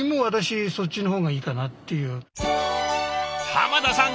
濱田さん